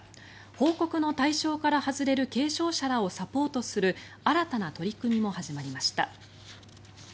報告の対象から外れる軽症者らをサポートする新たな取り組みも始まりました。